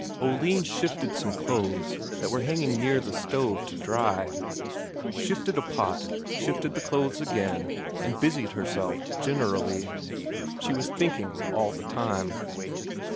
Oline shifted some clothes that were hanging near the stove to dry; shifted a pot, shifted the clothes again, and busied herself generally. She was thinking all the time.